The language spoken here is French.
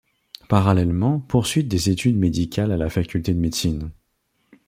Parallèlement, poursuite des études médicales à la Faculté de Médecine.